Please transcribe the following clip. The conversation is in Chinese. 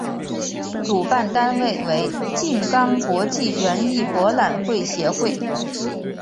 主办单位为静冈国际园艺博览会协会。